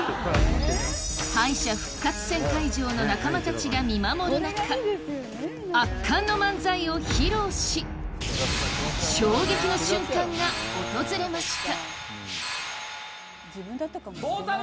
敗者復活戦会場の仲間たちが見守る中、圧巻の漫才を披露し衝撃の瞬間が訪れました。